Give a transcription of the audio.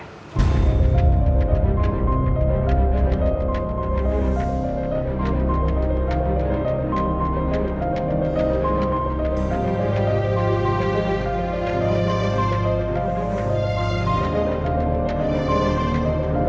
tidak ada bentuk yang bisa diperlakukan